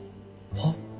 「はっ？」